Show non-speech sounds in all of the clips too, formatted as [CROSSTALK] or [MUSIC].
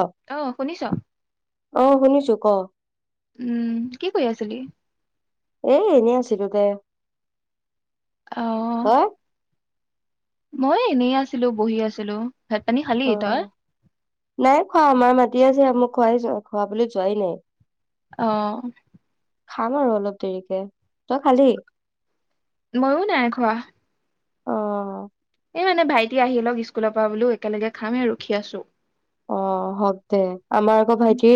অ', অ শুনিছো। ক উম কি কৰি আছিলি? এ [UNINTELLIGIBLE] অহ তই মই এনেই আছিলো বহি আছিলো। ভাত পানী খালি অ, তই নাই খোৱা আমাৰ মাত মাতি আছে মোক খোৱাই খাবলৈ যোৱাই নাই। অহ খাম আৰু অলপ দেৰিকে তই খালি? ময়ো নাই খোৱা। অ এই মানে ভাইটি আহি লওক স্কুলৰ পৰা বোলো একেলগে খাম আৰু ৰখি আছো। অ হব দে আমাৰ আকৌ ভাইটি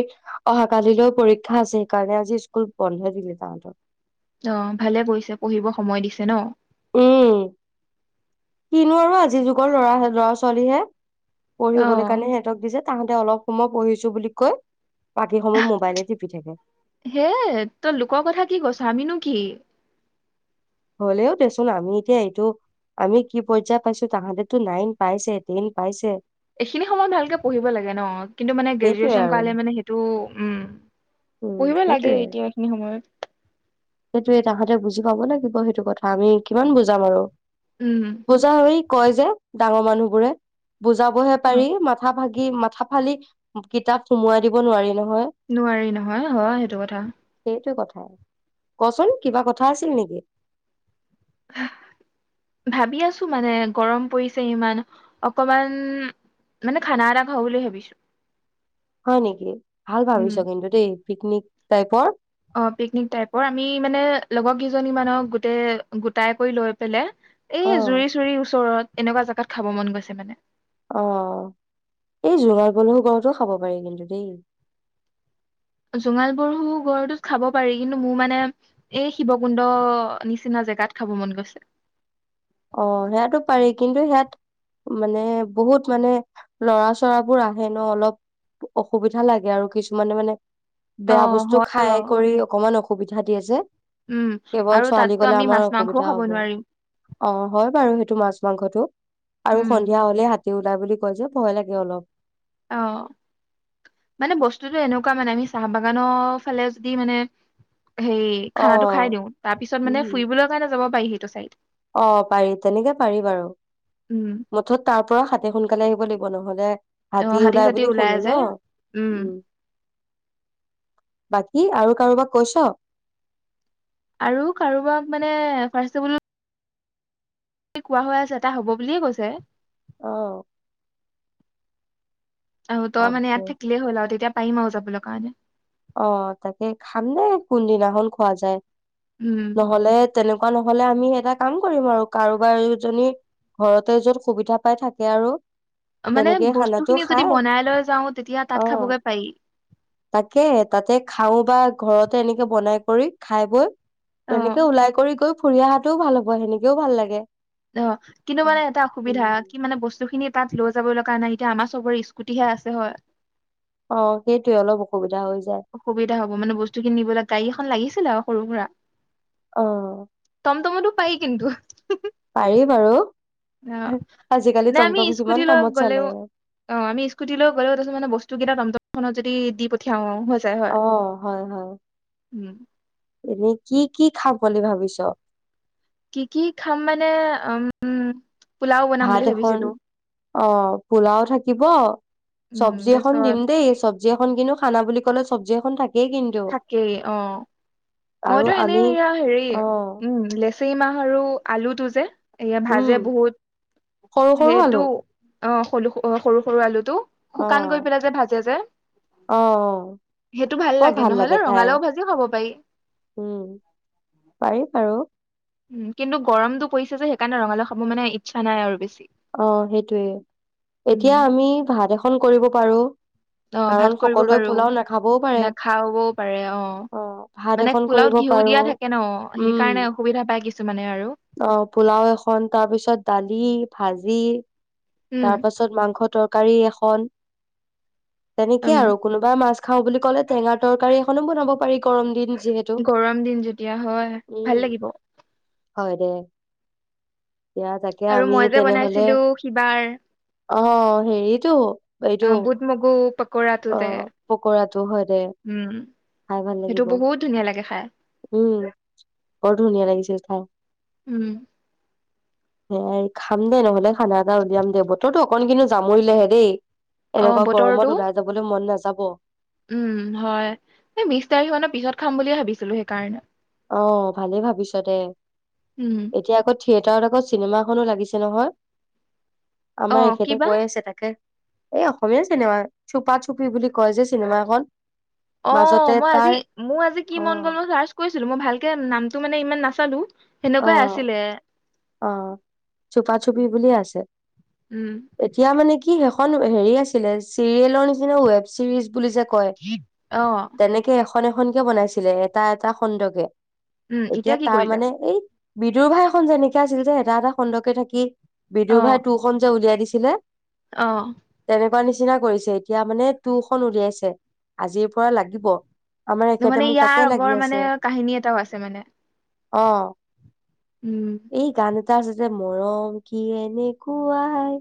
অহা কালিলৈ পৰীক্ষা আছে সেইকাৰণে আজি স্কুল বন্ধ দিলে তাহাঁতৰ। অ ভালে কৰিছে পঢ়িব সময় দিছে ন। উম কিনো আৰু আজিৰ যুগৰ লৰা লৰা ছোৱালীহে। অ পঢ়িবলৈ কাৰণে সিহঁতক দিছে। তাহাঁতে অলপ সময় পঢ়িছো বুলি কৈ বাকী সময় মোবাইলে টিপি থাকে হে তই লোকৰ কথা কি কৈছ আমিনো কি হ'লেও দেচোন আমি এতিয়া এইটো আমি কি পৰ্যায় পাইছো তাহাঁতেতো নাইন পাইছে টেন পাইছে। এইখিনি সময়ত ভালকে পঢ়িব লাগে ন, কিন্তু মানে সেইটোৱে গ্ৰেজুৱেচন আৰু কৰালে মানে সেইটো উম উম পঢ়িব সেইটোৱে লাগে এতিয়া এইখিনি সময়ত। সেইটোৱ তাহাঁতে বুজি পাব লাগিব সেইটো কথা আমি কিমান বুজাম আৰু। উম বুজা হৈ কয় যে ডাঙৰ মানুহ বোৰে। বুজাবহে অ, পাৰি মাথা ভাগি ই ফালি কিতাপ সুমুৱাই দিব নোৱাৰি ন নোৱাৰি নহয় হয় সেইটো কথা হয়। কচোন কিবা কথা আছিল নেকি হে ভাবি আছো মানে গৰম পৰিছে ইমান অকমান মানে খানা এটা খাওঁ বুলি ভাবিছো হয় নেকি। ভাল উম। ভাবিছ কিন্তু দেই পিকনিক টাইপৰ। অ পিকনিক টাইপৰ আমি মানে লগৰ কেইজনী মানক গোটেই গোটাই কৰি লৈ পেলাই অ এ জুৰি চুৰি ওচৰত এনেকুৱা জেগাত খাব মন গৈছে মানে [UNINTELLIGIBLE] ইটো খাব পাৰি কিন্তু দেই জোঙাল বৰ়ু গড়টো খাব পাৰি কিন্তু মোৰ মানে এই শিৱকুণ্ড নিচিনা জেগাত খাব মন গৈছে অ সেইয়াতো পাৰি কিন্তু হিয়াত মানে বহুত মানে লৰা চৰাবোৰ আহে ন অলপ অসুবিধা লাগে আৰু কিছুমানে মানে অ বেয়া বস্তু হয় বাৰু খাই কৰি অকমান অখুখ সুবিধা দিয়ে যে উম কেৱল আৰু ছোৱালী তাততো গলে আমি আমাৰ মাছ মাংসও অসুবিধা খাব হ'ব নোৱাৰিম অ হয় বাৰু সেইটো মাছ মাংসটো আৰু উম। সন্ধিয়া হলে হাতি ওলাই বুলি কয় যে ভয় লাগে অলপ অ মানে বস্তুতটো এনেকুৱা মানে আমি চাহ বাগানৰ ফালে যদি মানে হে অ খানাটো খাই দিও তাৰ পিছত মানে উম ফুৰিবলৈ কাৰণে যাব পাই সেইটো চাইড অ পাৰি তেনেকে পাৰি বাৰু উম মুঠত তাৰ পৰা হাতে সোনকালে আহিব লাগিব নহ'লে অ হাতী ওলাই চাতী বুলি শুনো যে ন উম বাকী ই আৰু কাৰোবাক কৈছ আৰু কাৰোবাক মানে ৰ্ফাৰ্ৰচটেবোল কোৱা হৈ আছে এটা হব বুলিয়ে কৈছে অ। আহ তই হওক মানে দে ইয়াত থাকিলেই হল আৰু তেতিয়া পাৰিম আওঁ যাবলৈ কাৰণে অ তাকে খাম নে কোনদিনাখন খোৱা যায় উম নহলে তেনেকুৱা নহলে আমি? এটা কাম কৰিম আৰু কাৰোবাৰজনী ঘৰতে যত সুবিধা পাই থাকে আৰু। মানে তেনেকেই বস্তু খানাটো খিনি যদি খাই বনাই লৈ যাও তেতিয়া তাত অ খাবগে পাৰি? তাকে তাতে খাও বা ঘৰতে এনেকে বনাই কৰি খাই বৈ। অ এনেকে ওলাই কৰি গৈ? ফুৰি অহাটোও ভাল হ'ব সেনেকেও ভাল লাগে? অ কিন্তু মানে এটা অসুবিধা কি উম। মানে বস্তু খিনি? তাত লৈ যাব লগা নাই এতিয়া আমাৰ চবৰে স্কুটিহে আছে হয়? অ সেইটয়ে অলপ অসুবিধা? হৈ যায় অসুবিধা হ'ব মানে বস্তুখিন নিবলৈ গাড়ী এখন লাগিছিল আৰু। সৰুসুৰা। আহ। টমতমো পায় কিন্তু? পাৰি বাৰু। অ আজিকালি নাই আমি টমটম কিমান স্কুটিলৈ কামত চলে গ'লেও অ আমি স্কুটিলৈ গলেও তানে বস্তু কেইটামান? খত যদি দি পঠিয়াও? যায় হয় আহ হয় হয়। উম এনেই কি কি খাম বুলি ভাবিছ? কি কি খাম মানে উম উম। পোলাও বনাম ভাত বুলি এখন ভাবিছিলো অ পোলাও থাকিব, উম চব্জি এখন দিম তাৰপিছত দেই চব্জি এখন কিন্তু খানা বুলি ক'লে। চবজি এখন থা। থাকেই অ আৰু মইতো এনেই আমি এয়া হেৰি অ উম লেচেৰি মাহ আৰু আলুটো। যেছে। এয়া ভাজে উম বহুত সৰু সৰু সেইটো। আলু অ সৰু সৰু সৰু আলু। অ শুকান গৈ পেলাই যে ভাজে যে অ সেইটো ভাল বৰ লাগে। ভাল নহলে লাগে খাই ৰঙালাও ভাজিও খাব পাৰি উম পাৰিম আৰু। উম কিন্তু গৰমতটো পৰিছে যে সেইকাৰণে ৰঙালাও খাব মানে ইচ্ছা নাই আৰু বেছি। অ সেইটোয়ে উম এতিয়া আমি ভাত এখন কৰিব। পাৰো। আহ কাৰণ ভাত কৰিব সকলোৱে পাৰো, পোলাও নাখাবও পাৰে নেখাবাও পাৰে অহ, অ ভাত মানে এখন কৰিব পোলাওত ঘিউ পাৰো দিয়া থাকে ন উম সেইকাৰণে অসুবিধা পায় কিছুমানে আৰু। অ পোলাও এখন তাৰ পিছত দালি ভাজি। তাৰ উম পাছত মাংস তৰকাৰ। কাৰী এখন। তেনেকে উম আৰু কোনোবা মাছ। খাওঁ বুলি ক'লে টেঙা তৰকাৰী এখনো বনাব পাৰি গৰম দিন। যিহেতু। গৰম দিন যেতিয়া হয় ভাল উম। লাগিব। হয় দে। এতিয়া তাকে আৰু আমি মই যে তেনেহলে বনাইছিলোঁ সি বাৰ। অ হেৰিতো। অ বুত মগু প অ পকৰাটো হয় দে উম খাই ভাল সেইটো লাগিব বহুত ধুনীয়া লাগে খাই উম বৰ ধুনীয়া লাগিছিল। হয়। উম। সেয়াই খাম দে নহ'লে খানা এটা উলিয়াম দে বতৰটো অকন কিন্তু জামৰিলেহে দেই। অ বতৰটো। খাবলৈ মন নাযাব। উম হয় এই বিশ তাৰিখ মানৰ পিছত খাম বুলিয়েই ভাবিছিলোঁ সেইকাৰণে। অ ভালেই ভাবিছ দে। উম এতিয়া আক। থিয়েটাৰত আগত চিনেমা এখনো লাগিছে নহয়। অ আমাৰ এখেতে কিবা কৈ আছে তাকে। এই অসমীয়া চিনেমা চুপা চুপি বুলি কয় যে চিনেমা এখন। অ মই আজি মোৰ আজি কি অ মন গ'ল মই চাৰ্চ কৰিছোঁ। মই ভালকে নামটো মানে ইমান নাচালোঁ। অহ অহ চুপা চুপি বুলিয়ে আছে। উম এতিয়া মানে কি। কি সেইখন হেৰি আছিলে চিৰিয়েলৰ নিচিনা ৱোৱেব চিৰিজ বুলি কয় অহ তেনেকে এখন এখনকে বনাইছিলে এটা এটা খণ্ডকে উম এতিয়া কি তাৰ কৰিলে মানে এই বিদুৰ ভাই এখন যেনেকে আছিল যে এটা এটা খণ্ডকে থাকি বিদুৰ ভাই তু খন যে উলিয়াই দিছে। দিলে অহ এনেকুৱা নিচিনা কৰিছে এতিয়া মানে টুখন উলিয়াইছে আজিৰ পৰা লাগিব। আমাৰ এখেতে মানে মোক তাকে ইয়াৰ লাগি উপৰ আছে মানে কাহিনী এটাও আছে মানে। অ উম এই গান তাৰ পিছতে মৰম কি এনেকুৱাই।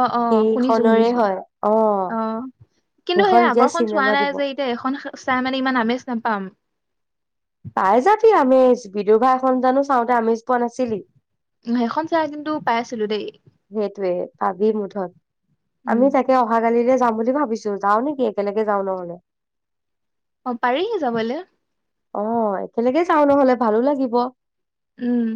অ অ শুনিছো সেইখনৰে শুনিছো হয় অ কিন্তু সেই সেইখন এতিয়া আগৰখন চোৱা চিনেমা নাই দিব যে এতিয়া এখন চাই মানে ইমান আমেজ নাপাম। পাই যাবি আমেজ বিদুৰ ভাই এখন জানো চাওঁতে আমেজ পোৱা নাছিলি। সেইখন চাই কিন্তু পাই আছিলোঁ দেই। সেইটোৱে আবি মুঠত। উম আমি তাকে অহাকালিৰে। যাম বুলি ভাবিছোঁ যাওঁ নেকি একেলগে যাওঁ নহ'লে। অ পাৰি যাবলে। অ একেলগে যাওঁ নহ'লে ভালো লাগিব। উম।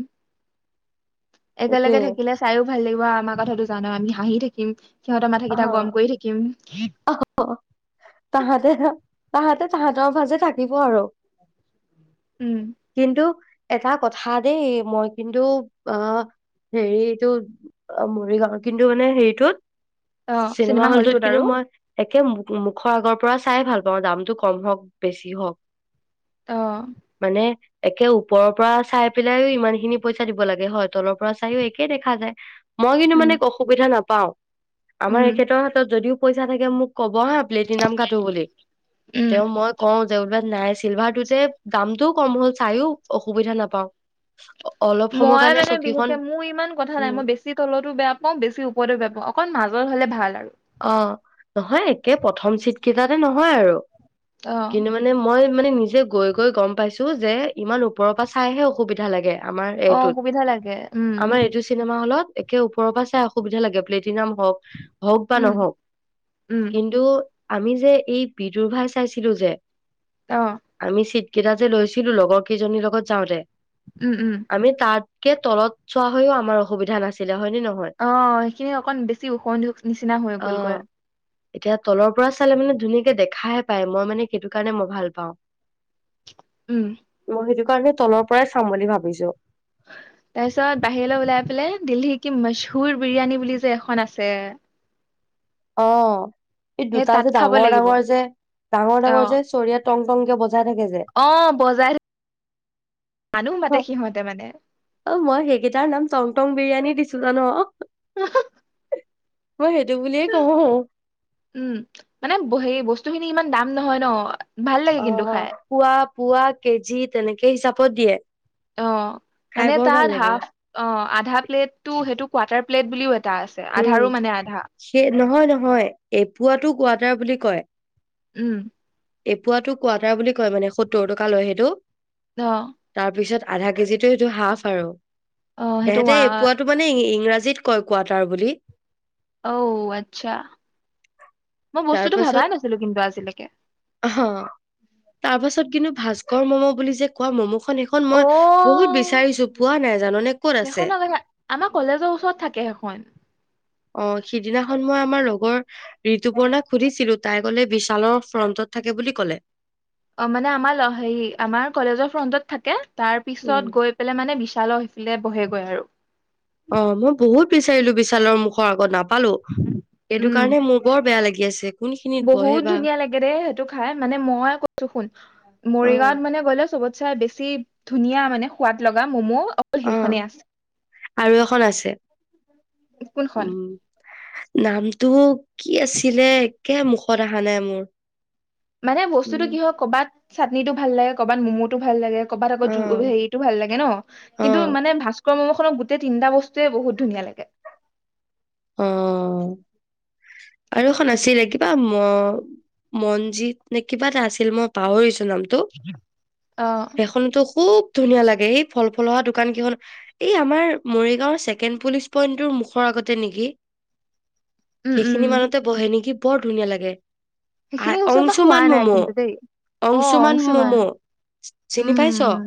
একেলগে সেইটোয়ে থাকিলে চাইও ভাল লাগিব আমাৰ কথাটো জানো আমি। হাঁহি থাকিম সিহঁতৰ অ মাথাকেইটা গৰম কৰি থাকিম তাহাতে তাহতেৰ ফাজে থাকিব আৰু উম কিন্তু এটা কথা দেই মই কিন্তু অ হেৰি এইটো মৰিগাঁও কিন্তু মানে হেৰিটোত চিনেমা হলটোত কিন্তু মই তে মুখৰ আগৰ পৰা চাই ভাল পাওঁ দামটো কম হওঁক বেছি হওক অ মানে একে ওপৰৰ পৰা চাই পেলাই ইমান খিনি পইচা দিব লাগে হয় তলৰ পৰা চাইয়ো একেই দেখা যায় মই কিন্তু উম মানে অসুবিধা না পাওঁ আমাৰ উম এখেতৰ হাতত যদিও পইচা থাকে মোক কব হা প্লেটিনাম টো বুলি উম তেওঁ মই কওঁ যে উলোব নাই চিলভাৰটোতে দামটোও কম হ'ল চাইও অসুবিধা নাপাওঁ মই মানে বিশেষকে মোৰ ইমান কথা নাই উম মই বেছি তলতো বেয়া পাওঁ বেছি ওপৰতো বেয়া পাওঁ অকল মাজত হ'লে ভাল আৰু অ নহয় একে প্ৰথম চিট কেইটাতে নহয় আৰু অ কিন্তু মানে মই মানে নিজে গৈ গৈ গম পাইছো যে ইমান ওপৰৰ পৰা চাইহে অসুবিধা লাগে আমাৰ অ এইটোত সুবিধা লাগে উম আমাৰ এইটো চিনেমা হলত একে ওপৰৰ পৰা চাই অসুবিধা লাগে প্লেটিনাম হওঁক উম নহওক উম কিন্তু আমি যে এই বিদুৰভাই চাইছিলো যে অ আমি চ কেইটা যে লৈছিলো লগৰ কেইজনীৰ লগত যাওঁতে উম উম আমি তাত কে তলত চোৱা হৈও আমাৰ অসুবিধা নাছিল। অ সেইখিনি অকন বেছি ওখ নিচিনা হৈ অ গলকৈ এতিয়া তলৰ পৰা চালে মানে ধুনীয়াকে দেখাই পায় মই মানে সেইটো কাৰণে মই ভাল পাওঁ। উম মই সেইটো কাৰণে তলৰ পৰাই চাম বুলি ভাবিছো। তাৰপিছত বাহিৰলৈ ওলাই পেলাই দিল্লীৰ কি মহচুৰ বিৰিয়ানী বুলি যে এখন আছে। অহ এই সেই দুটা তাত যে খাব ডাঙৰ লাগিব ডাঙৰ যে ডাঙৰ অ ডাঙৰ যে চৰিয়াাত টং টংকে বজাই থাকে যে অ বজাই মানুহ মাতে অ সিহঁতে মানে অ মই সেইকেইটাৰ নাম চং টং বিৰিয়ানী দিছো জান উ হয় সেইটো বুলি উম মানে সেই বস্তুখিনি ইমান দাম নহয় ন ভাল লাগে অ কিন্তু খাই পোৱা পোৱা কেজিত তেনেকে হিচাপত দিয়ে অ খাই মানে বৰ ভাল তাৰ লাগে হাফ অ আধা প্লেটটো সেইটো কোৱাৰটাৰ প্লেট বুলিও এটা আছে উম আধাৰো মানে আধা সেই নহয় নহয় এপুৱাতো গোৱা বুলি কয়। উম এপোৱাটো কোৱাটাৰ বুলি কয়। মানে সত্তৰটকা লয় সেইটো অ তাৰপিছত আধা কেজিতো এইটো হাফ আৰু অ সেইটো সিহেঁতে ৱা- পোৱাতটো মানে ইংৰাজী জিত কয় কোৱাত তাৰ বুলি অঔ আচ্ছা মই বস্তুতটো ভবাই নাছিলো কিন্তু আদিলৈকে হ তাৰ পাছত কিন্তু ভাস্কৰ ম'ম' বুলি যে কোৱা ম'ম' সেইখন অ মই বহুত বিচাৰিছো পোৱা নাই জাননে ক'ত সেইখন আছে? আ আমাৰ কলেজৰ ওচৰত থাকে সেইখন অ সিদিনাখন মই আমাৰ লগৰ ঋতুপৰ্ণাক সুধিছিলো তাই গলে বিশালৰ ফ্ৰন্টত থাকে বুলি ক'লে অ মানে আমাৰ হে আমাৰ কলেজৰ ফ্ৰন্টত থাকে। তাৰ উম পিছত গৈ পেলাই মানে বিশালৰ বহেগৈ আৰু। অ মই বহুত বিচাৰিলো বিশালৰ মুখৰ আগত নাপ পালো সটো উম কাৰণে মোৰ বৰ বেয়া লাগে। [UNINTELLIGIBLE] বহুত ধুনীয়া লাগে দেই সেইটো খাই মানে মই কৈছো শুন, অ মৰিগাঁৱত মানে গ'লে চবত চ বেছি ধুনীয়া মানে সোৱাদ লগা ম'ম। অকল উম সেইখনেই আছে আৰু এখন আছে। কোনখন উম। নামটো কি আছিলে? কে মুখত অহা নাই মোৰ। মানে বস্তুতটো উম কি হয় কবাত চাটনি টো ভাল লাগে কবাত ম'মটো ভাল লাগে। ক'বাত আকৌ জ অ হেৰিটো ভাল লাগে ন, অ কিন্তু মানে ভাস্ ম'ম খনক গোটেই তিনিটা বস্তুৱয়ে বহুত ধুনীয়া লাগে। অ। আৰু এখন আছিলে কিবা ম-মনজিত নে কিবা এটা আছিল মই পাহৰিছো। নামটো, অ' খোনতো খুব ধুনীয়া লাগে এই ফল-ফল হহা দোকান কেইখন এই আমাৰ মৰিগাঁওৰ ছেকেণ্ড পুলিচ পইণ্টৰ মুখৰ আগতে নিকি? উম উম সেইখিনি মানুতে বহে নেকি? বৰ ধুনীয়া লাগে। সেইখিনি আ- উচৰৰ পৰা হোৱা অংশুমান নাই ম'ম' কিন্তু দেই। অ, অংশুমান চিনি পাইছ উম,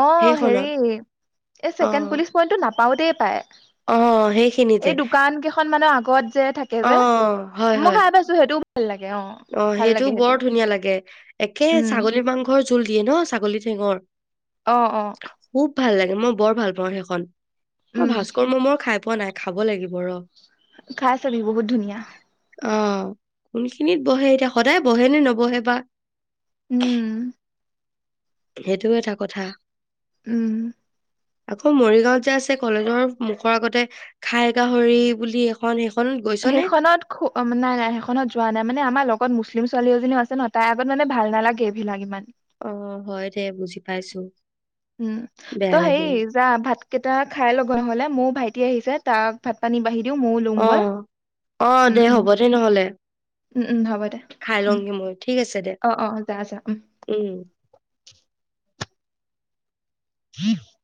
অ, হেৰি সেইখনত এ অ ছেকেণ্ড পুলিচ পই ন টো নাপাওঁ পাওঁতেই পায়। অ সেইখিনিতে এই দোকান কেখন মান আগত যে থাকে অ যে হয় মই হয় খাই পাইছোঁ হেতু লালাগে [UNINTELLIGIBLE] অ সেইটোও বৰ ধুনীয়া লাগে। একে উম ছাগলী মাংসৰ জোল দিয়ে ন, ছাগলী টেঙৰ অহ-অহ ভাল লাগে, মই বৰ ভাল পাওঁ সেইখন। অ উম ভাস্কৰ মমৰ খাই পোৱা নাই খাব লাগিব ৰ খাই চাবি বহুত ধুনীয়া অ শুনি খিনিত বহে এতিয়া সদায় বহে নে নবহে বা? উম সেইটোও এটা কথা। উম আকৌ মৰিগাঁৱত যে আছে কলেজৰ মুখৰ আগতে খাই গাহৰি বুলি এখন সেই, সেইখনত নাই নাই সেইখনত যোৱা নাই মানে আমাৰ লগত মুচ লিম ছোৱালীজনও আছে ন, তাই আগত মান ভালাগে এইিলাক ইমান অ হয় দে বুজি পাইছো উম ত বেয়া লাগে। হেইৰি যা ভাত কেইটা খাই লগ নহ'লে মোৰ ভাইটি, আহিছে তাক ভাত পানী বাঢ়ি দিও ময়ও অ লওঁগৈ অ উম দে উম হ'ব দে নহলে, উম উম হ'ব দে খাই উম লওঁগে মই ঠিক আছে। দে অ অ যা যা উম উম। [UNINTELLIGIBLE]